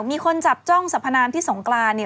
มีคนจับจ้องสัพพนามที่สงกราน